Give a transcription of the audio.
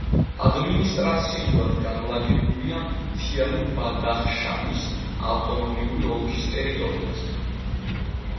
ადმინისტრაციულად განლაგებულია მთიანი ბადახშანის ავტონომიური ოლქის ტერიტორიაზე.